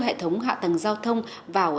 hệ thống hạ tầng giao thông vào